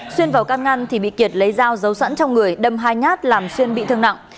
xuyên vào can ngăn thì bị kiệt lấy dao giấu sẵn trong người đâm hai nhát làm xuyên bị thương nặng